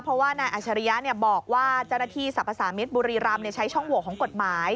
เพราะว่านายอัชริยะบอกว่าจรภาษามิตรบุรีรำใช้ช่องหัวของกฎหมาย